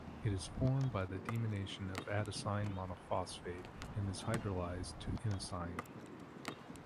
It is formed by the deamination of adenosine monophosphate, and is hydrolysed to inosine.